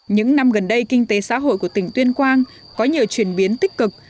những năm gần đây kinh tế xã hội của tỉnh tuyên quang có nhiều chuyển biến tích cực